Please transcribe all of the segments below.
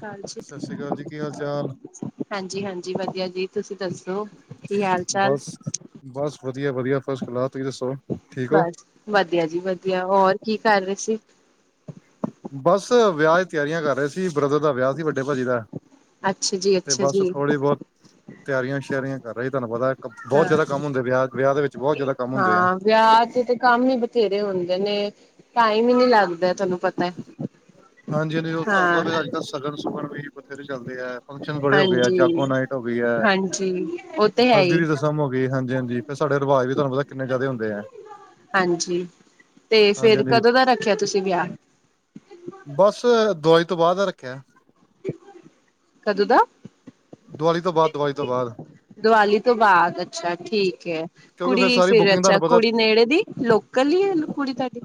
ਕਾਲ ਚਿਤ ਸਤਿ ਸ੍ਰੀ ਅਕਾਲ ਜੀ ਕੀ ਹਾਲ ਚਾਲ ਹਾਂਜੀ ਹਾਂਜੀ ਵਧੀਆ ਜੀ, ਤੁਸੀਂ ਦੱਸੋ ਕੀ ਹਾਲ ਚਾਲ? ਬਸ ਬਸ ਵਧੀਆ ਵਧੀਆ ਫਸ ਕਲਾਸ, ਤੁਸੀਂ ਦੱਸੋ? ਠੀਕ ਹੋ ਬਸ, ਵਧੀਆ ਜੀ ਵਧੀਆ, ਹੋਰ ਕੀ ਕਰ ਰਹੇ ਸੀ? ਬਸ ਵਿਆਹ ਚ ਤਿਆਰੀਆਂ ਕਰ ਰਹੇ ਸੀ, ਬ੍ਰਦਰ ਦਾ ਵਿਆਹ ਸੀ ਵੱਡੇ ਭਾਜੀ ਦਾ। ਅੱਛਾ ਜੀ ਤੇ ਅੱਛਾ ਬਸ ਜੀ ਥੋੜ੍ਹੀ ਬਹੁਤ ਤਿਆਰੀਆਂ ਸੁਸ਼ਿਆਰੀਆਂ ਕਰ ਰਹੇ, ਤੁਹਾਨੂੰ ਪਤਾ ਬਹੁਤ ਹਾਂ ਜ਼ਿਆਦਾ ਕੰਮ ਹੁੰਦੇ ਵਿਆਹ ਵਿਆਹ ਦੇ ਵਿੱਚ ਬਹੁਤ ਜ਼ਿਆਦਾ ਕੰਮ ਹੁੰਦੇ ਆ ਹਾਂ, ਵਿਆਹ ਤੇ ਤੇ ਕੰਮ ਹੀ ਬਥੇਰੇ ਹੁੰਦੇ ਨੇ। ਟਾਈਮ ਹੀ ਨਹੀਂ ਲੱਗਦਾ ਤੁਹਾਨੂੰ ਪਤਾ। ਹਾਂਜੀ-ਹਾਂਜੀ ਤੁਹਾਨੂੰ ਹਾਂ ਪਤਾ ਹੈ ਅੱਜ ਕੱਲ੍ਹ ਸਗਨ ਸੁਗਨ ਵੀ ਬਥੇਰੇ ਚੱਲਦੇ ਹੈ। ਫੰਕਸ਼ਨ ਬੜੇ ਹੋ ਗਏ ਅੱਜ ਹਾਂਜੀ ਜਗੋ ਨਾਈਟ ਹੋ ਗਈ ਹੈ ਹਾਂਜੀ ਉਹ ਤੇ ਹੈ ਹਲਦੀ ਹੀ ਦੀ ਰਸਮ। ਹੋ ਗਈ ਹਾਂਜੀ ਹਾਂਜੀ ਫਿਰ ਸਾਡੇ ਰੀਵਾਜ਼ ਵੀ ਤੁਹਾਨੂੰ ਪਤਾ ਕਿੰਨੇ ਜਯਦਾ ਹੁੰਦੇ ਐ। ਹਾਂਜੀ, ਤੇ ਹਾਂਜੀ ਫਿਰ ਹਾਂਜੀ ਕਦੋਂ ਦਾ ਰੱਖਿਆ ਤੁਸੀਂ ਵਿਆਹ? ਬਸ, ਦਿਵਾਲੀ ਤੋਂ ਬਾਅਦ ਰੱਖਿਆ। ਕਦੋਂ ਦਾ? ਦਵਾਲੀ ਤੋਂ ਬਾਅਦ ਦਵਾਲੀ ਤੋਂ ਬਾਅਦ ਦੀਵਾਲੀ ਤੋਂ ਬਾਅਦ ਅੱਛਾ ਠੀਕ ਹੈ। ਕਿਉਂਕਿ ਕੁੜੀ ਸਾਰੀ ਫਿਰ ਬੁਕਿੰਗ ਅੱਛਾ, ਤੁਹਾਨੂੰ ਪਤਾ ਕੁੜੀ ਨੇੜੇ ਦੀ ਲੋਕਲ ਹੀ ਕੁੜੀ ਤੁਹਾਡੀ।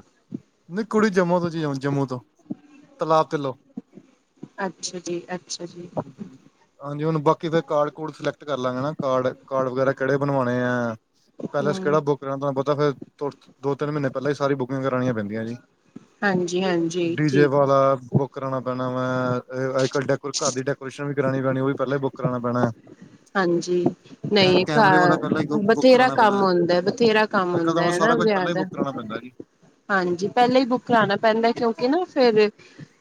ਨਹੀਂ ਕੁੜੀ ਜੰਮੂ ਤੋਂ ਜੀ ਜੰਮੂ ਤੋਂ, ਤਲਾਬ ਤਲੋਂ। ਅੱਛਾ ਜੀ-ਅੱਛਾ ਜੀ। ਹਾਂਜੀ, ਹੁਣ ਬਾਕੀ ਫੇਰ ਕਾਰਡ ਕੂਡ ਸਿਲੈਕਟ ਕਰ ਲਾਂਗੇ ਨਾ, ਕਾਰਡ ਕਾਰਡ ਵਗੈਰਾ ਕਿਹੜੇ ਬਣਵਾਉਣੇ ਆ। ਪੈਲੇਸ ਕਿਹੜਾ ਹੂੰ ਬੁੱਕ ਕਰਨਾ ਤੁਹਾਨੂੰ ਪਤਾ ਫੇਰ, ਦੋ ਤਿੰਨ ਮਹੀਨੇ ਪਹਿਲਾਂ ਹੀ ਸਾਰੀ ਬੁੱਕ ਕਰਾਣੀਆ ਪੈਂਦੀਆਂ ਜੀ, ਹਾਂਜੀ ਹਾਂਜੀ ਡੀਜੇ ਠੀਕ ਵਾਲਾ ਬੁੱਕ ਕਰਾਣਾ ਪੈਣਾ ਆ। ਅੱਜ ਕੱਲ ਡੈਕੋ ਘਰ ਦੀ ਡੈਕੋਰੇਸ਼ਨ ਵੀ ਕਰਾਣੀ ਪੈਣੀ ਉਹ ਵੀ ਪਹਿਲਾਂ ਬੁੱਕ ਕਰਾਣਾ ਪੈਣਾ। ਹਾਂਜੀ, ਕੈ ਨਹੀਂ ਕੈਮਰੇ ਵਾਲਾ ਪਹਿਲਾਂ ਹੀ ਬੁੱਕ ਬਥੇਰਾ ਕਰਾਣਾ ਪੈਣਾ ਕੰਮ ਹੁੰਦਾ ਬਥੇਰਾ ਕੰਮ ਹੈ। ਅੱਜ ਕੱਲ ਤਾਂ ਹੁੰਦਾ ਬਸ ਏ ਨਾ ਸਾਰਾ ਕੁਝ ਵਿਆਹ ਪਹਿਲਾਂ ਹੀ ਦਾ। ਬੁੱਕ ਕਰਾਣਾ ਪੈਂਦਾ ਜੀ ਹਾਂਜੀ, ਪਹਿਲਾਂ ਹੀ ਬੁੱਕ ਕਰਾਉਣਾ ਪੈਂਦਾ ਕਿਉਂਕਿ ਨਾ ਫਿਰ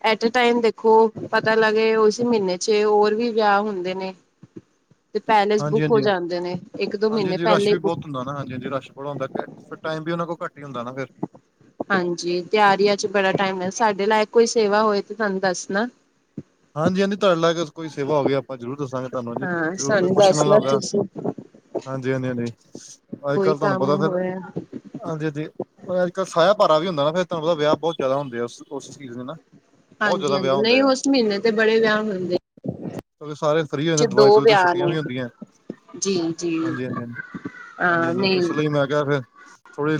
ਐਟੇ ਟਾਈਮ ਦੇਖੋ ਪਤਾ ਲੱਗੇ ਉਸੇ ਮਹੀਨੇ ਚ ਹੋਰ ਵੀ ਵਿਆਹ ਹੁੰਦੇ ਨੇ। ਤੇ ਪੈਲੇਸ ਹਾਂਜੀ ਬੁੱਕ ਹੋ ਹਾਂਜੀ ਜਾਂਦੇ ਨੇ, ਇੱਕ ਦੋ ਮਹੀਨੇ ਪਹਿਲੇ ਬੁੱਕ ਹਨਾ, ਹਾਂਜੀ ਹਾਂਜੀ ਰਸ਼ ਬੜਾ ਹੁੰਦਾ। ਫੇਰ ਟਾਈਮ ਵੀ ਉਹਨਾਂ ਕੋਲ ਘੱਟ ਹੀ ਹੁੰਦਾ ਨਾ ਫ਼ਿਰ। ਹਾਂਜੀ, ਤਿਆਰੀਆਂ ਚ ਬੜਾ ਟਾਈਮ ਐ, ਸਾਡੇ ਲਾਇਕ ਕੋਈ ਸੇਵਾ ਹੋਏ ਤੇ ਸਾਨੂੰ ਦੱਸਣਾ। ਹਾਂਜੀ ਹਾਂਜੀ ਤੁਹਾਡੇ ਲਾਇਕ ਕੋਈ ਸੇਵਾ ਹੋਵੇ ਆਪਾਂ ਜ਼ਰੂਰ ਦੱਸਾਂਗੇ ਤੁਹਾਨੂੰ, ਹਾਂ ਜ਼ਰੂਰ ਕੋਈ ਸਾਨੂੰ ਪੁੱਛਣ ਵਾਲਾ ਦੱਸਣਾ ਹੋਗਾ। ਤੁਸੀਂ ਹਾਂਜੀ, ਹਾਂਜੀ, ਹਾਂਜੀ, ਅੱਜ ਕੋਈ ਕੱਲ੍ਹ ਤੁਹਾਨੂੰ ਪਤਾ ਕੰਮ ਫਿਰ ਹੋਇਆ ਹਾਂਜੀ ਹਾਂਜੀ ਅੱਜ ਕੱਲ੍ਹ ਸਾਇਆ ਭਾਰਾ ਵੀ ਹੁੰਦਾ ਨਾ ਫਿਰ ਤੁਹਾਨੂੰ ਵਿਆਹ ਬਹੁਤ ਜ਼ਿਆਦਾ ਹੁੰਦੇ ਆ ਉਸ ਉਸ ਸੀਜ਼ਨ ਚੇ ਨਾ। ਬਹੁਤ ਹਾਂਜੀ- ਜ਼ਿਆਦਾ ਵਿਆਹ ਹਾਂਜੀ ਹੁੰਦੇ ਨਹੀਂ ਆ ਉਸ ਮਹੀਨੇ ਤੇ ਬੜੇ ਵਿਆਹ ਹੁੰਦੇ। ਸਾਰੇ ਫਰੀ ਹੋ ਚ ਦਿਵਾਲੀ - ਦੋ ਦਬੂਲੀ ਵਿਆਹ ਛੱਟੀਆਂ ਨੇ ਵੀ ਹੁੰਦੀਆਂ। ਜੀ ਜੀ ਹਾਂਜੀ- ਹਾਂਜੀ ਹਾਂ ਹਾਂਜੀ ਹਾਂ -ਹਾਂਜੀ ਨਹੀਂ ਇਸ ਲਈ ਮੈਂ ਕਿਹਾ ਫਿਰ। ਥੋੜ੍ਹੀ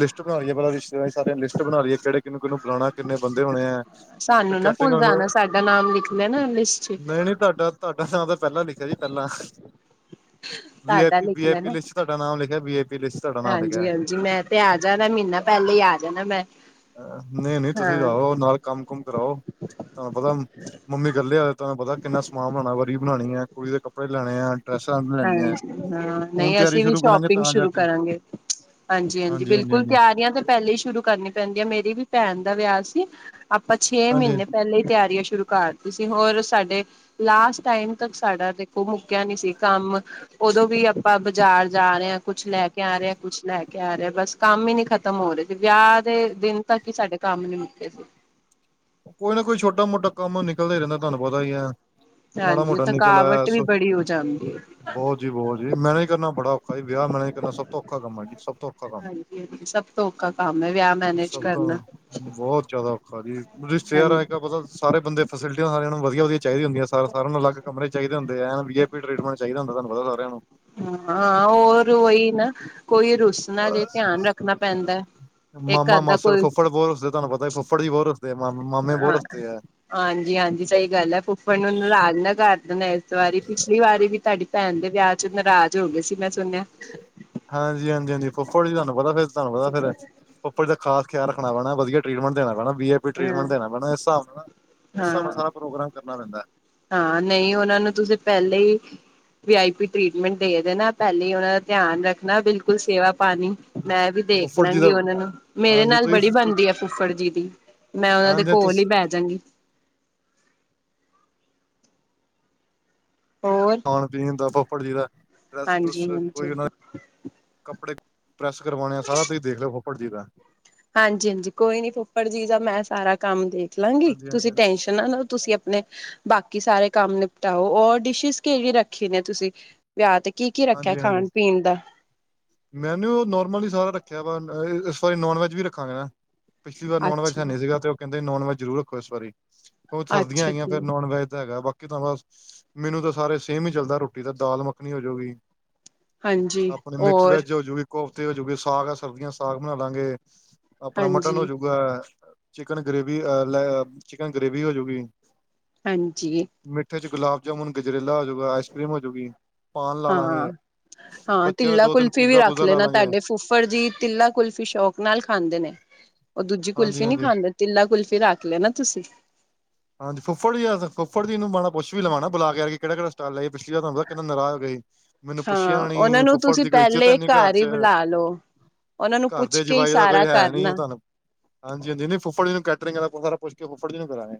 ਲਿਸਟ ਬਣਾ ਰਹੀਏ ਪਹਿਲਾ ਰਿਸ਼ਤੇਦਾਰੀਆਂ ਸਾਰਿਆਂ ਦੀ ਲਿਸਟ ਬਣਾ ਲਈ ਹੀ ਏ ਕਿਹੜੇ। ਕਿਹਨੂੰ ਕਿਹਨੂੰ ਬੁਲਾਉਣਾ ਕਿੰਨੇ ਬੰਦੇ ਹੋਣੇ ਹੈ ਤੇ ਸਾਨੂੰ ਨਾ ਕੇਟਰਿੰਗ ਭੁੱਲ ਵਾਲੇ ਜਾਣਾ ਨੂੰ। ਸਾਡਾ ਨਾਮ ਲਿਖ ਲਿਆ ਨਾ ਲਿਸਟ ਚ। ਨਹੀਂ ਤੁਹਾਡਾ- ਤੁਹਾਡਾ ਨਾਂ ਤਾਂ ਪਹਿਲਾਂ ਲਿਖਿਆ ਜੀ ਪਹਿਲਾਂ ਵੀ ਆਈ ਤੁਹਾਡਾ ਪੀ ਲਿਖ ਵੀ ਆਈ ਪੀ ਲੈਣਾ ਲਿਸਟ ਚੇ। ਤੁਹਾਡਾ ਨਾਮ ਲਿਖਿਆ ਵੀ ਆਈ ਪੀ। ਲਿਸਟ ਤੁਹਾਡਾ ਨਾਮ ਲਿਖਿਆ ਹਾਂਜੀ -ਹਾਂਜੀ ਮੈਂ ਤੇ ਆ ਜਾਣਾ ਮਹੀਨਾ ਪਹਿਲੇ ਹੀ ਆ ਜਾਣਾ ਮੈਂ। ਨਹੀਂ -ਨਹੀਂ ਹਾਂ ਤੁਸੀਂ ਰਹੋ ਨਾਲ ਕੰਮ ਕੁਮ ਕਰਾਓ। ਤੁਹਾਨੂੰ ਪਤਾ ਮੰਮੀ ਕਲੇ ਆ ਤੁਹਾਨੂੰ ਪਤਾ ਕਿੰਨਾ ਸਮਾਨ ਬਣਾਉਣਾ ਵਰੀ ਬਣਾਣੀ ਹੈ, ਕੁੜੀ ਦੇ ਕੱਪੜੇ ਲੈਣੇ ਆ। ਡਰੈਸਾਂ ਲੈਣੀਆਂ ਹਾਂਜੀ ਹਾਂ, ਹੁਣ ਨਹੀਂ ਤਿਆਰੀ ਅਸੀਂ ਵੀ ਸ਼ੁਰੂ ਕਰਾਂਗੇ ਸ਼ੋਪਿੰਗ ਤਾਂ ਜਾ ਸ਼ੁਰੂ ਕੇ ਕਰਾਂਗੇ। ਹਾਂਜੀ -ਹਾਂਜੀ ਬਿਲਕੁਲ ਤਿਆਰੀਆਂ ਤਾਂ ਪਹਿਲੇ ਹੀ ਸ਼ੁਰੂ ਕਰਨੀਆਂ। ਪੈਂਦੀਆਂ ਮੇਰੀ ਵੀ ਭੈਣ ਦਾ ਵਿਆਹ ਸੀ ਆਪਾਂ ਛੇ ਹਾਂਜੀ ਮਹੀਨੇ ਪਹਿਲਾ ਹੀ ਤਿਆਰੀਆਂ ਸ਼ੁਰੂ ਕਰ। ਤੁਸੀਂ ਹੋਰ ਸਾਡੇ ਲਾਸਟ ਟਾਈਮ ਤੱਕ ਸਾਡਾ ਦੇਖੋ ਮੁੱਕਿਆ ਨਹੀਂ ਸੀ ਕੰਮ। ਉਦੋਂ ਵੀ ਆਪਾਂ ਬਾਜ਼ਾਰ ਜਾ ਰਹੇ ਹਾਂ ਕੁਛ ਲੈ ਕੇ ਆ ਰਹੇ ਕੁਛ ਲੈ ਕੇ ਆ ਰਹੇ ਬਸ। ਕੰਮ ਹੀ ਨਹੀਂ ਖ਼ਤਮ ਹੋ ਰਹੇ ਸੀ ਵਿਆਹ ਦੇ ਦਿਨ ਤੱਕ ਹੀ ਸਾਡੇ ਕੰਮ ਨੀ ਮੁੱਕੇ ਸੀ। ਕੋਈ ਨਾ ਕੋਈ ਛੋਟਾ- ਮੋਟਾ ਕੰਮ ਨਿਕਲਦਾ ਹੀ ਰਹਿੰਦਾ ਤੁਹਾਨੂੰ ਪਤਾ ਹੀਈ ਹੈ। ਮਾੜਾ ਹਾਂਜੀ ਮੋਟਾ ਨਿਕਲ ਆਇਆ ਥਕਾਵਟ ਵੀ ਸੋ ਬੜੀ ਹੋ ਜਾਂਦੀ ਹੈ। ਬਹੁਤ ਜੀ ਬਹੁਤ ਜੀ ਮੈਨੇਜ ਕਰਨਾ ਬੜਾ ਔਖਾ ਵਿਆਹ ਮੈਨੇਜ ਕਰਨਾ ਸਬ ਤੋਂ ਔਖਾ ਕੰਮ ਹੈ ਜੀ ਸਭ ਤੋਂ ਔਖਾ। ਕੰਮ ਹਾਂਜੀ ਹਾਂਜੀ ਸਭ ਤੋਂ ਔਖਾ ਕੰਮ ਹੈ ਵਿਆਹ ਮੈਨੇਜ ਸਭ ਤੋਂ ਕਰਨਾ। ਬਹੁਤ ਜਿਆਦਾ ਔਖਾ ਜੀ ਹਾਂਜੀ ਰਿਸਤੇਦਾਰਾ ਦਾ ਪਤਾ ਸਾਰੇ ਬੰਦੇ। ਫੈਸਿਲਿਟੀਆਂ ਸਾਰਿਆਂ ਨੂੰ ਵਧੀਆ ਵਧੀਆ ਚਾਹੀਦੀਆ ਹੁੰਦੀਆਂ ਸਾਰਿਆਂ ਅਲੱਗ ਕਮਰੇ ਚਾਹੀਦੇ ਹੁੰਦੇ ਐਨ ਵੀ ਆਈ ਪੀ ਟਰੀਟਮਟ ਚਾਹੀਦਾ ਹੁੰਦਾ ਤੁਹਾਨੂੰ ਪਤਾ ਸਾਰਿਆਂ ਨੂੰ। ਹਾਂ ਹੋਰ ਉਈ ਨਾ ਕੋਈ ਰੁੱਸ। ਉਹਨਾ ਦੇ ਧਿਆਨ ਰੱਖਣਾ ਪੈਂਦਾ ਇਹ ਘਰ ਮਾਮਾ ਦਾ ਮਾਸੜ ਕੋਈ। ਫੁੱਫੜ ਬਹੁਤ ਹੱਸਦੇ ਤੁਹਾਨੂੰ ਪਤਾ ਫੁੱਫੜੀ ਜੀ ਬਹੁਤ ਹਸਦੇ ਮਾਮੇ ਬਹੁਤ ਹਾਂ ਹਸਦੇ ਹੈ। ਹਾਂਜੀ, ਹਾਂਜੀ ਸਹੀ ਗੱਲ ਹੈ ਫੁੱਫੜਣ ਨੂੰ ਨਾਰਜ਼ ਨਾ ਕਰ ਦੇਣਾ ਇਸ ਵਾਰੀ ਪਿਛਲੀ ਵਾਰੀ ਵੀ ਤੁਹਾਡੀ। ਭੈਣ ਦੇ ਵਿਆਹ ਚ ਨਾਰਾਜ਼ ਹੋ ਗਏ ਸੀ ਮੈਂ ਸੁਣਿਆ। ਹਾਂਜੀ, ਹਾਂਜੀ, ਹਾਂਜੀ ਫੁਫੜ ਜੀ ਤੁਹਾਨੂੰ ਪਤਾ ਫਿਰ ਤੁਹਾਨੂੰ ਪਤਾ ਫੇਰ। ਫੁਫ਼ੜ ਦਾ ਖਾਸ ਖਿਆਲ ਰੱਖਣਾ ਪੈਣਾ ਵਧੀਆ ਟਰੀਟਮੈਂਟ ਦੇਣਾ ਪੈਣਾ ਬਾਈ ਇਹ। ਹਾਂ ਟਰੀਟਮੈਂਟ ਦੇਣਾ ਪੈਣਾ ਇਸ ਹਿਸਾਬ ਨਾਲ ਉਸ ਹਿਸਾਬ ਨਾਲ ਹਾਂ ਸਾਰਾ ਪ੍ਰੋਗਰਾਮ ਕਰਨਾ ਪੈਂਦਾ। ਹਾਂ ਨਹੀਂ, ਉਹਨਾਂ ਨੂੰ ਤੁਸੀਂ ਪਹਿਲੇ ਹੀ। ਵੀ ਆਈ ਪੀ ਟਰੀਟਮੈਂਟ ਦੇ ਦੇਨਾ ਪਹਿਲੇ ਹੀ ਉਹਨਾ ਦਾ ਧਿਆਨ। ਨਾ ਬਿਲਕੁਲ ਸੇਵਾ ਪਾਣੀ ਮੈਂ ਵੀ ਦੇਖ ਫੁੱਫੜ ਜੀ ਲਾਂਗੀ ਦਾ ਉਹਨਾਂ ਨੂੰ। ਮੇਰੇ ਹਾਂਜੀ ਨਾਲ ਬੜੀ ਤੁਸੀਂ ਬਣਦੀ ਹੈ ਫੁੱਫੜ ਜੀ ਦੀ ਮੈਂ ਉਹਨਾਂ ਦੇ ਹਾਂਜੀ ਕੋਲ ਹੀ ਤੁਸੀਂ ਬਹਿ ਜਾਂਗੀ। ਹੋਰ ਖਾਣ ਪੀਣ ਹੁੰਦਾ ਫੱਫੜ ਜੀ ਦਾ ਡਰੈਸ ਡਰੁੱਸ ਹਾਂਜੀ ਹਾਂਜੀ ਕੋਈ ਕੱਪੜੇ। ਪ੍ਰੈਸ ਕਰਾਉਣੇ ਸਾਰਾ ਤੁਸੀਂ ਦੇਖ ਲਓ ਫੁੱਫੜ ਜੀ ਦਾ। ਹਾਂਜੀ, ਹਾਂਜੀ ਕੋਈ ਨੀ ਫੁੱਫੜ ਜੀ ਦਾ ਮੈਂ ਸਾਰਾ ਕੰਮ ਦੇਖ। ਲੰਘ ਗਈ ਹਾਂਜੀ, ਹਾਂਜੀ, ਤੁਸੀਂ ਹਾਂਜੀ, ਟੈਂਨਸ਼ਨ ਨਾ ਲਓ ਤੁਸੀਂ ਆਪਣੇ। ਬਾਕੀ ਸਾਰੇ ਕੰਮ ਨਿਪਟਾਓ ਔਰ ਡਿਸ਼ਜ ਕਿਹੜੀ ਰੱਖੀ ਨੇ ਤੁਸੀਂ? ਵਿਆਹ ਤੇ ਕੀ ਕੀ ਰੱਖਿਆ ਹਾਂਜੀ, ਹਾਂਜੀ ਖਾਣ ਪੀਣ ਦਾ। ਮੈਨਿਊ ਨੋਰਮਲ ਹੀ ਸਾਰਾ ਰੱਖਿਆ ਵਾ ਸੋਰੀ ਨੋਨ ਵੈਜ ਵੀ ਰੱਖਾਂਗੇ ਨਾ। ਪਿਛਲੀ ਵਾਰ ਨੋਨ ਵੈਜ ਹੈ ਨਹੀਂ ਸੀਗਾ ਉਹ ਕਹਿੰਦੇ ਨੋਨ ਵੈੱਜ ਜ਼ਰੂਰ ਰੱਖੋ ਇਸ ਵਾਰੀ। ਉਹ ਸਰਦੀਆਂ ਅੱਛਾ-ਅੱਛਾ ਹੈਗੀਆਂ ਜੀ ਫਿਰ ਨੋਨ ਵੈਜ ਤਾਂ ਹੈਗਾ ਬਾਕੀ। ਕਿ ਤਾਂ ਬਸ ਮੈਨੂੰ ਤਾਂ ਸਾਰੇ ਸੇਮ ਹੀ ਚੱਲਦਾ ਰੋਟੀ ਤਾਂ ਦਾਲ ਮੱਖਣੀ ਹੋਜੂਗੀ। ਹਾਂਜੀ ਆਪਣੇ ਮਿਕਸ ਔਰ ਵੈਜ ਹੋਜਾਉਗੀ। ਕੋਫਤੇ ਹੋਜੂਗੇ ਸਾਗ ਹੈ ਸਬਜ਼ੀਆਂ ਸਾਗ ਬਣਾ ਲਾਂਗੇ ਆਪਣਾ ਮਟਨ ਹੋਜੂਗਾ। ਚਿਕਨ ਗ੍ਰੇਵੀ ਐ ਲੈ ਚਿਕਨ ਗ੍ਰੇਵੀ ਹੋਜੂਗੀ। ਹਾਂਜੀ। ਮਿੱਠੇ ਚ ਗੁਲਾਬ ਜਾਮੁਨ ਗਜਰੇਲਾ ਹੋਜੂਗਾ ਆਈਸ ਕਰੀਮ ਹੋਜੂਗੀ ਪਾਨ ਲਾ ਲਾਂਗੇ। ਹਾਂ ਬੱਚਿਆਂ ਦਾ ਤੀਲਾ ਦੋ ਤਿੰਨ ਕੁਲਫੀ ਵੀ ਪੀਜ਼ਾ ਰੱਖ ਪੂਜ਼ਾ ਲਾ ਲੈਣਾ ਲਾਂਗੇ ਤੁਹਾਡੇ ਫੁੱਫੜ ਜੀ ਤੀਲਾ ਕੁਲਫੀ ਸ਼ੌਕ ਨਾਲ ਖਾਂਦੇ ਨੇ। ਉਹ ਦੂਜੀ ਹਾਂਜੀ ਕੁਲਫੀ ਨਹੀਂ ਹਾਂਜੀ ਖਾਂਦੇ ਤਿੱਲਾ ਕੁਲਫ਼ੀ ਰੱਖ ਲੈਣਾ ਤੁਸੀਂ। ਹਾਂਜੀ ਫੁਫੜ ਜੀ ਫੁਫੜੀ ਨੂੰ ਮੈ ਪੁਛ ਵੀ ਲਵਉਣਾ ਬੁਲਾ ਕੇ ਕਿਹੜਾ ਕਿਹੜਾ ਸਟਾਲ ਲੈਈਏ ਪਿਛਲੀ ਵਾਰ ਤੁਹਾਨੂੰ ਪਤਾ ਕਿੰਨਾ ਨਰਾਜ਼ ਹੋ ਗਏ ਸੀ। ਮੈਨੂੰ ਹਾਂ ਪੁੱਛਿਆ ਉਹਨਾਂ ਨਹੀਂ ਨੂੰ ਫੁੱਫੜ ਤੁਸੀਂ ਦੀ ਕੋਈ ਇੱਜਤ ਹੈ ਪਹਿਲੇ ਨਹੀ ਘਰ ਚ। ਹੀ ਬੁਲਾ ਲਓ ਉਹਨਾਂ ਨੂੰ ਘਰ ਪੁੱਛ ਦੇ ਕੇ ਹੀ ਜਵਾਈ ਦਾ ਸਾਰਾ ਕੋਈ ਹੈ ਨੀ ਹੈ ਕਰਨਾ ਤੁਹਾਨੂੰ। ਹਾਂਜੀ ਹਾਂਜੀ ਨਹੀਂ ਫੁਫੜ ਜੀ ਨੂੰ ਕੈਟਰਿੰਗ ਸਾਰਾਂ ਪੁੱਛ ਕੇ ਫੁਫੜੀ ਨੂੰ ਕਰਾਂਗੇ।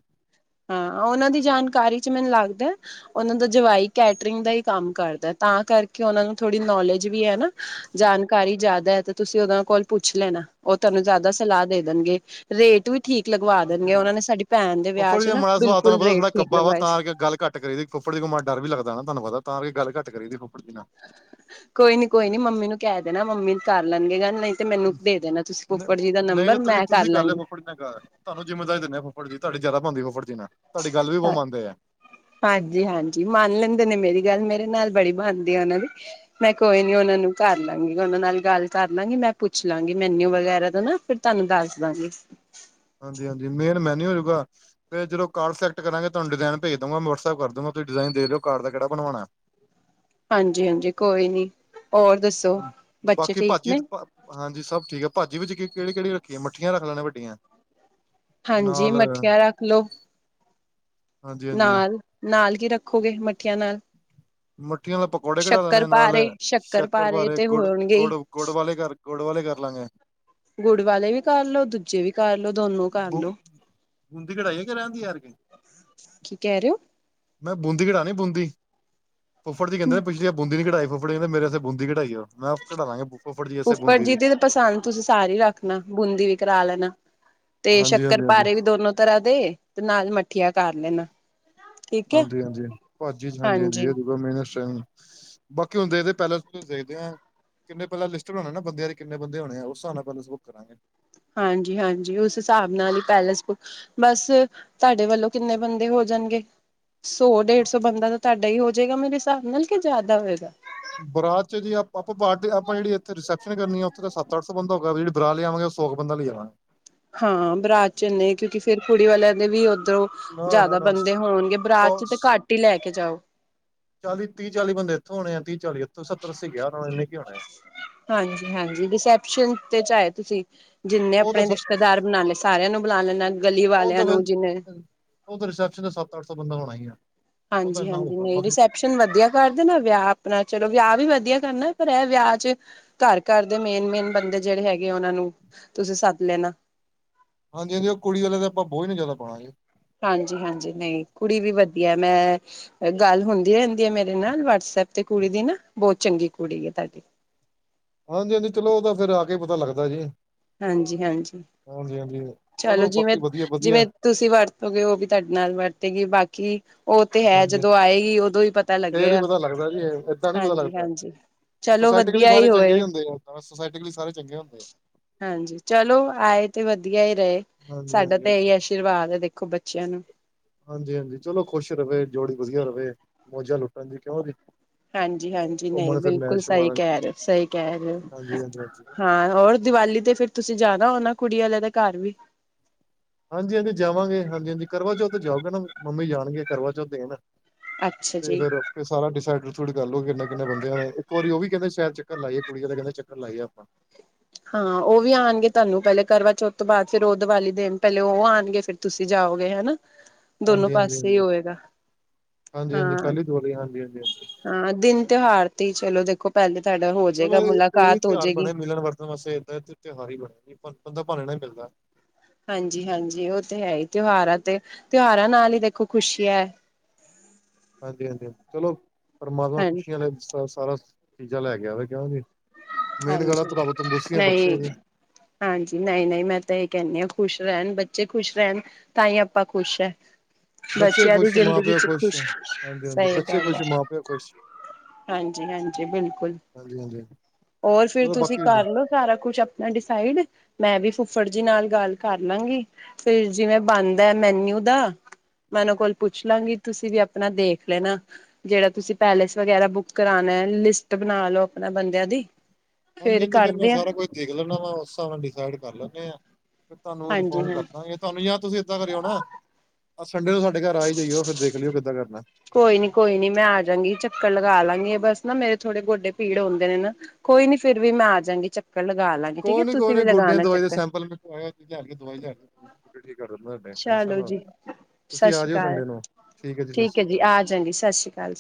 ਹਾਂ, ਉਹਨਾਂ ਦੀ ਜਾਣਕਾਰੀ ਚ ਮੈਨੂੰ ਲੱਗਦਾ। ਉਹਨਾਂ ਦਾ ਜਵਾਈ ਕੈਟਰਿੰਗ ਦਾ ਹੀ ਕੰਮ ਕਰਦਾ ਤਾਂ ਕਰਕੇ ਉਹਨਾਂ ਨੂੰ ਥੋੜੀ ਨੋਲੇਜ ਵੀ ਹੈ ਨਾ। ਜਾਣਕਾਰੀ ਜ਼ਿਆਦਾ ਹੈ ਤੇ ਤੁਸੀਂ ਉਹਨਾਂ ਕੋਲ ਪੁੱਛ ਲੈਣਾ ਉਹ ਤੁਹਾਨੂੰ ਜ਼ਿਆਦਾ ਸਲਾਹ ਦੇ ਦੇਣਗੇ। ਰੇਟ ਵੀ ਠੀਕ ਲਗਵਾ ਦੇਣਗੇ ਉਹਨਾਂ ਨੇ ਸਾਡੀ ਭੈਣ ਦੇ ਵਿਆਹ ਚ। ਨਾ ਮਾ ਦਾ ਸੁਭਾਤ ਤੁਹਾਨੂੰ ਬਿਲਕੁਲ ਪਤਾ ਸੁਬਾਹ ਰੇਟ ਥੋੜਾ ਠੀਕ ਕੱਬਾ ਵਾ ਲਗਵਾਏ ਤਾਂ ਸੀ ਕਰਕੇ ਗੱਲ ਘੱਟ। ਘੱਟ ਕਰੀ ਦੀ ਫੁਫੜ ਜੀ ਤੋਂ ਡਰ ਵੀ ਲੱਗਦਾ ਨਾ ਤੁਹਾਨੂੰ ਪਤਾਂ ਕਿ ਗੱਲ ਘੱਟ ਕਰੀ ਦੀ ਫੁੱਫੜ ਜੀ ਦੀ ਨਾਲ। ਕੋਈ ਨੀ ਕੋਈ ਨੀ ਮੰਮੀ ਨੂੰ ਕਹਿ ਦੇਣਾ ਮੰਮੀ ਕਰ ਲੈਣਗੇ ਗੱਲ ਨਹੀਂ। ਤੇ ਮੈਨੂੰ ਦੇ ਦੇਣਾ ਤੁਸੀਂ ਫੁਫੜ ਜੀ ਦਾ ਨਹੀਂ ਨੰਬਰ ਤਾਂ ਤੁਸੀਂ ਮੈਂ ਕਰ ਤੁਸੀਂ ਲਿਓ ਲਾਂਗੀ। ਫੁੱਫੜ ਜੀ ਤੁਹਾਨੂੰ ਜਿੰਮੇਵਾਰੀ ਦਿੰਦੇ ਫੁਫੜ ਜੀ ਦੀ ਤੁਹਾਡੀ ਜਿਆਦਾ ਬਣਦੀ ਫੁੱਫੜ ਜੀ ਨਾਲ ਤੁਹਾਡੀ ਗੱਲ ਵੀ ਬਹੁਰ ਮੰਨਦੇ ਆ। ਹਾਂਜੀ, ਹਾਂਜੀ ਮੰਨ ਲੈਂਦੇ ਨੇ ਮੇਰੀ ਗੱਲ ਮੇਰੇ ਨਾਲ ਬੜੀ ਬਨਦੀ ਆ ਉਹਨਾਂ ਦੀ। ਮੈਂ ਕੋਈ ਨੀ ਉਹਨਾਂ ਨੂੰ ਕਰ ਲਾਂਗੀ ਉਹਨਾਂ ਨਾਲ ਗੱਲ ਕਰ ਲਾਂਗੀ ਮੈਂ ਪੁੱਛ ਲਾਂਗੀ ਮੈਨਿਊ ਵਗੈਰਾ ਦਾ ਨਾ। ਤੁਹਾਨੂੰ ਦੱਸ ਦਾਗੀ। ਹਾਂਜੀ - ਹਾਂਜੀ ਮੇਨ ਮੈਨਿਊ ਹੋਜੂਗਾ। ਫ ਜਦੋਂ ਕਾਰ ਸਿਲੈਟ ਕਰਾਂਗੇ। ਤੁਹਾਨੂੰ ਡਿਜ਼ਨੇਜ ਦੂੰਗਾ ਮ ਵਟਐਪ ਕਰੂੰਗਾ ਤੁਸੀਂ ਡਿਾਇਨ ਦੇ ਦਿਓ ਕਾਰ ਦਾ ਕਿਹੜ ਬਣਵਾਉਣਾ। ਹਾਂਜੀ - ਹਾਂਜੀ ਕੋਈ ਨੀ ਹੋਰ ਦੱਸੋ। ਬੱਚੇ ਬਾਕੀ ਠੀਕ ਭਾਜੀ ਨੇ। ਹਾਂਜੀ ਸਭ ਠੀਕ ਆ। ਭਾਜੀ ਵਿੱਚ ਕਿਹੜੀ - ਕਿਹੜੀ ਰੱਖੀਏ ਮੱਠੀਆਂ ਰੱਖ ਲੈਣੇ ਵੱਡੀਆਂ। ਹਾਂਜੀ ਮੱਠੀਆਂ ਰੱਖ ਲਓ। ਹਾਂਜੀ - ਹਾਂਜੀ। ਨਾਲ ਕੀ ਰੱਖੋਗੇ। ਮੱਠੀਆਂ ਨਾਲ? ਮਿੱਠੀਆਂ ਦਾ ਪਕੌੜੇ ਕਢਾ ਸ਼ੱਕਰ ਲੈਣੇ ਨਾਲ। ਪਾਰੇ ਸ਼ੱਕਰ ਪਾਰੇ ਭਾਰੇ ਤੇ ਗੁੜ - ਹੋਣਗੇ ਹੀ ਗੁੜ ਗੁੜ ਵਾਲੇ ਗੁੜ ਵਾਲੇ ਕਰ ਲਾਂਗੇ। ਗੁੜ ਵਾਲੇ ਵੀ ਕਰਲੋ, ਦੂਜੇ ਵੀ ਕਰਲ ਲੋ ਦੋਨੋ ਕਰ ਲੋ। ਹਦੀ ਕੜਾਈ ਹੈ। ਕਰ ਜਾਂਦੀ ਯਾਰ ਕਿ। ਕੀ ਕਹਿ ਰਹੇ ਹੋ? ਮੈਂ ਬੂੰਦੀ ਕਟਾਣੀ ਬੂੰਦੀ ਫੁੱਫੜ ਦੀ ਕਹਦੇ ਹੋ ਪਿਛਲੀ ਬੂੰਦੀ ਨਹੀਂ ਕਟਾਈ। ਫੁੱਫੜ ਕਿੰਹਦੇ ਬੂੰਦੀ ਘਟਾਈ ਉਹ। ਮੈਂ ਘਢਾ ਲਾਂਗੇ ਬੁਫਾ ਫੁੱਫੜ ਜੀ ਵਸੇਤੇ ਬੂੰਦੀ ਜੀ ਵੀ। ਦੀ ਪਸੰਦ ਤੁਸੀਂ ਸਾਰੇ ਰੱਖਣਾ ਬੂੰਦੀ ਵੀ ਕਰਾ ਲੈਣਾ। ਤੇ ਸ਼ੱਕਰ ਹਾਂਜੀ-ਹਾਂਜੀ-ਹਾਂਜੀ ਪਾਰੇ ਵੀ ਦੋਨੋ ਤਰ੍ਹਾਂ ਦੇ। ਨਾਲ ਮੱਠਆ ਕਰ ਲੈਣਾ। ਠੀਕ ਹੈ। ਹਾਂਜੀ- ਹਾਂਜੀ ਭਾਜੀ ਹਾਂਜੀ - ਹਾਂਜੀ ਇਹ ਦੂਗਾ ਮੇਨਮ ਬਾਕੀ ਹੁਣ ਦੇਖਦੇ ਪੈਲੇਸ ਦੇਖਦੇ ਆਂ। ਕਿੰਨੇ ਪਹਿਲਾ ਲਿਸਟ ਬਣਾਣੇ ਨਾ ਬੰਦਿਆਂ ਦੇ ਕਿੰਨ ਬੰਦੇ ਹੋਣੇ। ਉਸ ਹਿਸਾਬ ਨਾਲ ਪਹਿਲ ਬੱਕ ਕਰਾਂਗੇ। ਹਾਂਜੀ- ਹਾਂਜੀ ਉਸ ਹਿਸਾਬ ਨਾਲ ਹੀ। ਪੈਲੇਸ ਬੁੱਕ ਬਸ ਤੁਹਾਡੇ ਵੱਲੋਂ ਕਿੰਨੇ ਬੰਦੇ ਹੋ ਜਾਣਗੇ। ਸੌ ਡੇਢ - ਸੌ ਬੰਦਾ ਤਾਂ ਤੁਹਾਡਾ ਹੀ ਹੋ ਜਾਏਗਾ। ਮੇਰੇ ਹਿਸਾਬ ਨਾਲ ਕਿ ਜ਼ਿਆਦਾ ਹੋਏਗਾ? ਬਰਾਤ ਚ ਜੇ ਆਪਾਂ ਪਟੀ ਆਪ ਜਿਹੜੀ ਇੱਥੇ ਰਿਸਪਸ਼ਨ ਕਰਨੀ ਆ ਉੱਥੇ ਤਾਂ ਸੱਤ- ਅੱਠ ਸੌ ਬੰਦਾ ਊਗਾ ਜਿਹੜ ਬਰਾਾਲ ਆਵਾਂਗੇ। ਸੋ ਕੁ ਬੰਦਾ ਲ ਆਵਣਾ। ਹਾਂ। ਬਰਾਤ ਨੇ ਕਿਉਂਕਿ ਫਰ ਕੁੜੀ ਵਾਲਿਆਂ ਦੇ ਵੀ ਉੱਧਰੋਂ। ਜ਼ਿਆਦਾ ਨਾ-ਨਾ-ਨਾ ਬੰਦੇ ਹੋਣਗੇ। ਸੌ ਬਰਾਤ ਚ ਤਾਂ ਘੱਟ ਹੀ ਲੈ ਕੇ ਜਾਓ। ਚਾਲੀ ਤੀਹ- ਚਾਲੀ ਬੰਦੇ ਇੱਥੋਂ ਹੋਣੇ ਆ। ਤੀਹ ਚਾਲੀ ਇੱਥ ਸੱਤਰੱਸੀਜ਼ਾਰ ਹੋਣੇ ਇਨੇ ਕੀ ਹੋਣੇ ਆ। ਹਾਂਜੀ - ਹਾਂਜੀ ਰਿਸੈਪਸ਼ਨ ਤੇ ਚ ਆਏ ਤੁਸੀਂ ਜਿੰਨੇ ਉਹ ਆਪਣੇ ਤਾਂ ਸ- ਰਿਸ਼ਤੇਦਾਰ ਬਣਾ ਲੈ। ਸਾਰਿਆਂ ਨੂੰ ਬੁਲਾ ਲੈਂਦਾ। ਉਹ ਤਾਂ ਫ ਉਹ ਤਾਂ ਰਿਸੈਪਸ਼ਨ ਦਾ ਸੱਤ - ਅੱਠ ਸੌ ਬੰਦਾ ਹੋਣਾ ਹੀ ਆ। ਉਹ ਤਾਂ ਹਾਂਜੀ- ਇੰਨਾ ਹਾਂਜੀ ਹੋਊਗਾ ਨਹੀਂ ਰੈਪ। ਬਾਕੀ ਵਧੀਆ ਕਰਦੇ ਨਾ। ਵਿਆਹ ਆਪਣਾ ਚਲੋ ਵਿਆਹ ਵੀ ਵਧੀਆ ਕਰਨਾ। ਪਰ ਇਹ ਵਿਆਹ ਚ ਘਰ ਘਰ ਦੇ ਮੇਨ ਮੇਨ ਬੰਦੇ ਜਿਹੜੇ ਹੈਗੇ ਆ। ਉਹਨਾਂ ਨੂੰ ਤੁਸੀਂ ਸੱਦ ਲੈਣਾ। ਹਾਂਜੀ - ਹਾਂਜੀ ਉਹ ਕੁੜੀ ਵਾਲੇ ਤਾਂ ਆਪਾਂ ਬੋਝ ਨੀ ਜ਼ਿਆਦਾ ਪਾਉਣਾਗੇੇ। ਹਾਂਜੀ- ਹਾਂਜੀ ਨਹੀਂ ਕੁੜੀ ਵੀ ਵਧੀਆ। ਮੈਂ ਗੱਲ ਹੁੰਦੀ ਰਹਿੰਦੀ ਹੈ। ਮੇਰੇ ਨਾਲ ਵਟਸਐਪ ਤੇ ਕੁੜੀ ਦੀ ਨਾ ਬਹੁਤ ਚੰਗੀ ਕੁੜੀ ਹੈ। ਤੁਹਾਡੀ ਹਾਂਜੀ - ਹਾਂਜੀ ਚਲੋ ਉਹ ਤਾਂ ਫ਼ਿਰ ਆ ਕੇ ਪਤਾ ਲੱਗਦਾ ਜੀ। ਹਾਂਜੀ - ਹਾਂਜੀ ਹਾਂਜੀ ਹਾਂਜੀ ਚਲੋ ਜਿਵੇਂ ਬਾਕੀ ਵਧੀਆ - ਵਧੀਆ ਜਿਵੇਂ, ਤੁਸੀਂ ਵਰਤੋਗੇ। ਉਹ ਵੀ ਤੁਹਾਡੇ ਨਾਲ ਵਰਤੇਗੀ ਬਾਕੀ ਕੀ। ਉਹ ਤੇ ਹੈ ਹਾਂਜੀ ਜਦੋਂ ਆਏਗੀ ਉਦੋਂ ਹੀ ਪਤਾ ਫੇਰ ਹੀ ਲੱਗੇਗਾ ਪਤਾ ਲੱਗਦਾ ਜੀ ਏਦਾਂ ਨੀ ਪਤਾ ਹਾਂਜੀ - ਲੱਗਦਾ ਹਾਂਜੀ ਚਲੋ ਵਧੀਆ ਹੀ ਹੋਏ। ਸੋਸਾਇਟੀ ਲਈ ਸਾਰੇ ਚੰਗੇ ਹੁੰਦੇ ਆ। ਹਾਂਜੀ। ਚਲੋ ਆਏ ਤੇ ਵਧੀਆ ਹੀ ਰਹੇ ਹਾਂਜੀ ਸਾਡਾ ਹਾਂਜੀ ਤਾਂ ਹਾਂਜੀ ਇਹੀ ਅਸ਼ੀਰਵਾਦ। ਆਸ਼ੀਰਵਾਦ ਹੈ ਦੇਖੋ ਬੱਚਿਆਂ ਨੂੰ। ਹਾਂਜੀ- ਹਾਂਜੀ ਚਲੋ ਖੁਸ਼ ਰਹੇ ਜੋੜੀ ਵਧੀਆ ਰਹੇ। ਮੋਜਾਂ ਲੁੱਟਣ ਜੀ ਕਿਉਂ ਜੀ। ਹਾਂਜੀ - ਹਾਂਜੀ ਨਹੀਂ ਘੁੰਮਣ ਫਿਰਨ ਬਿਲਕੁਲ ਐਸ਼ ਸਹੀ ਮਾਰਨ ਦੀ ਕਹਿ ਰਹੇ ਸਹੀ, ਕਹਿ ਰਹੇ ਹੋ। ਹਾਂਜੀ ਹਾਂਜੀ ਹਾਂਜੀ ਹਾਂ। ਹੋਰ ਦੀਵਾਲੀ ਤੇ ਫਿਰ ਤੁਸੀਂ ਜਾਣਾ ਹੋਣਾ ਕੁੜੀ ਵਾਲਿਆਂ ਦੇ ਘਰ ਵੀ ਹਾਂਜੀ- ਹਾਂਜੀ ਜਾਵਾਂਗੇ ਹਾਂਜੀ - ਹਾਂਜੀ ਕਰਵਾ ਚੌਥ ਤੇ ਜਾਓਗੇ ਨਾ। ਮੰਮੀ ਜਾਣਗੇ ਕਰਵਾ ਚੌਥ ਦੇਣ ਅੱਛਾ ਤੇ ਜੀ ਫੇਰ ਫਿਰ ਸਾਰਾ ਡਿਸਾਈਡਡ ਕਰ ਲਓ, ਕਿੰਨੇ ਕਿਨੇ ਬੰਦਿਆਂ ਨੇ ਇੱਕ ਵਾਰੀ ਉਹ ਵੀ ਕਹਿੰਦੇ ਸ਼ਾਇਰ ਚੱਕਰ ਲਾਈਏ, ਕੁੜੀ ਵਾਲੇ ਕਹਿੰਦੇ ਚੱਕਰ ਲਾਈਏ ਆਪਾਂ ਹਾਂ ਉਹ ਵੀ ਆਉਣਗੇ, ਤੁਹਾਨੂੰ ਪਹਿਲੇ ਕਰਵਾ ਚੌਥ ਤੋਂ ਬਾਅਦ ਫਿਰ ਉਹ ਦੀਵਾਲੀ ਦਿਨ ਪਹਿਲੇ ਉਹ ਆਉਣਗੇ ਫਿਰ ਤੁਸੀਂ ਜਾਓਗੇ, ਹਨਾ ਦੋਨੋ ਹਾਂਜੀ ਹਾਂਜੀ ਪਾਸੇ ਹਾਂਜੀ ਹੀ ਹੋਵੇਗਾ, ਹਾਂਜੀ ਹਾਂ ਹਾਂਜੀ ਪਹਿਲੀ ਦਿਵਾਲੀ ਹਾਂਜੀ ਹਾਂਜੀ ਹਾਂ, ਦਿਨ ਤਿਉਹਾਰ ਤੇ ਚਲੋ ਦੇਖੋ ਪਹਿਲੇ ਤੁਹਾਡਾ ਹੋਰ ਚਲੋ ਇਹੀ ਤਿਉਹਾਰ ਬਣੇ ਮਿਲਣ ਵਰਤਣ ਵਾਸਤੇ, ਇਏਦਾਂ ਤਿਉਹਾਰ ਹੀ ਬਣਿਆ ਜੀ ਬੰਦਾ ਭਾਣੇ ਨਾਲ ਹੀ ਮਿਲਦਾ ਹਾਂਜੀ ਹਾਂਜੀ ਉਹ ਤੇ ਹੈ ਹੀ, ਤਿਉਹਾਰਾਂ ਤੇ ਤਿਉਹਾਰਾਂ ਨਾਲ ਹੀ ਦੇਖੋ ਖੁਸ਼ੀ ਹੈ ਹਾਂਜੀ ਹਾਂਜੀ ਚਲੋ, ਪਰਮਾਤਮਾ ਹਾਂ ਖੁਸ਼ੀਆਂ ਵਾਲੇ ਸ ਸਾਰਾ ਚੀਜ਼ਾਂ ਲੈ ਕੇ ਆਵੇ ਕਿਉ ਜੀ ਮੇਨ ਗੱਲ ਆ, ਹਾਂਜੀ ਰਬ ਤੰਦਰੁਸਤੀ ਆ ਬਖਸ਼ਿਆ ਨਹੀਂ ਜੀ ਹਾਂਜੀ ਨਹੀਂ ਨਹੀਂ ਮੈਂ ਤਾਂ ਇਹ ਕਹਿੰਦੀ ਹਾਂ ਖੁਸ਼ ਰਹਿਣ ਬੱਚੇ ਖੁਸ਼ ਰਹਿਣ ਤਾਂ ਹੀ ਆਪਾਂ ਖੁਸ਼ ਹੈ- ਬੱਚੇ ਬੱਚਿਆਂ ਦੀ ਖੁਸ਼ ਮਾਂ ਜ਼ਿੰਦਗੀ ਪਿਓ ਚ ਖੁਸ਼ ਖ਼ੁਸ਼, ਹਾਂਜੀ ਹਾਂਜੀ ਸਹੀ ਬੱਚੇ ਗੱਲ ਹੈ ਖੁਸ਼ ਮਾਂ ਪਿਓ ਖੁਸ਼ ਹਾਂਜੀ ਹਾਂਜੀ, ਬਿਲਕੁਲ ਹਾਂਜੀ ਹਾਂਜੀ ਹੋਰ ਫੇਿਰ ਚਲੋ ਤੁਸੀਂ, ਬਾਕੀ ਹਾਂਜੀ ਕਰਲਓ ਸਾਰਾ ਕੁਛ ਆਪਣਾ ਡਿਸਾਈਡ, ਮੈਂ ਵੀ ਫੁੱਫੜ ਜੀ ਨਾਲ ਗੱਲ ਕਰ ਲਾਂਗੀ ਫਿਰ ਜਿਵੇਂ ਬਣਦਾ ਮੈਨਿਊ ਦਾ ਮੈਂ ਉਹਨਾਂ ਕੋਲ ਪੁੱਛ ਲਾਂਗੀ, ਤੁਸੀਂ ਵੀ ਆਪਣਾ ਦੇਖ ਲੈਣਾ ਜਿਹੜਾ ਤੁਸੀਂ ਪੈਲੇਸ ਵਗੈਰਾ ਬੁੱਕ ਕਰਾਉਣਾ ਹੈ, ਲਿਸਟ ਬਣਾ ਲਓ ਆਪਣਾ ਬੰਦਿਆਂ ਦੀ ਹਾਂਜੀ ਹਾਂਜੀ ਫੇਰ ਮੈਂ, ਕਰਦੇ ਆ ਸਾਰਾ ਕੁਛ ਦੇਖ ਲੈਦਾ ਵਾ ਉਸ ਹਿਸਾਬ ਨਾਲ ਡਿਸਾਈਡ ਕਰ ਲੈਂਨੇ ਆਾਂ ਤੁਹਾਨੂੰ ਹਾਂਜੀ ਇਨਫੋਰਮ ਹਾਂਜੀ ਕਰਦਾਗੇ, ਤੁਹਾਨੂੰ ਯ ਤੁਸੀਂ ਏਦਾਂ ਕਰੀ ਆਉ ਨਾ ਸੰਡੇ ਨੂੰ ਸਾਨੂੰ ਸਾਡੇ ਘਰ ਆਈ ਜਾਈਓ ਫਿਰਰ ਦੇਖਿਓ ਕਿੱਦਾਂ ਕਰਨਾ ਕੋਈ ਨੀ ਕੋਈ ਨੀ ਮੈਂ ਆ ਜਾਾਂਗੀ ਚੱਕਰ ਲਗਾ ਲਾਂਗੀ, ਬਸ ਨਾ ਮੇਰੇ ਥੋੜੇ ਗੋਡੇ ਪੀੜ ਹੁੰਦੇ ਨੇ ਨਾ, ਕੋਈ ਨੀ ਫੇਿਰ ਵੀ ਮੈਂ ਆਜਗੀ ਚੱਕਰ ਲਗਾ ਲਾਂਗੀ ਠੀਕ ਹੈ ਕੋਈ ਨੀ ਤੁਸੀਂ ਕੋਈ ਵੀ ਗੋਡੇ ਲਗਾਣਾ ਦਵਾਈ ਦੇ ਚੱਕਰ ਸੈਂਪਲ ਮੰਗਵਾਏ ਆ, ਕੇ ਦਵਾਈ ਕਰ ਟੈਂਸ਼ਨ ਚਲੋ ਲ ਜੀ ਤੁ ਸਤਿ ਤੁਸੀਂ ਆ ਸ੍ਰੀ ਜਾਇਓ ਅਕਾਲ ਸੰਡੇ ਨੂੰ, ਠੀਕ ਹੈ ਜੀ ਸਤਿ ਸ਼੍ਰੀ ਅਕਾਲ ਆ ਜਾਂਗੀ ਸਤਿ ਸ੍ਰੀ ਅਕਾਲ